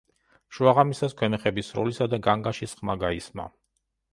შუაღამისას ქვემეხების სროლისა და განგაშის ხმა გაისმა.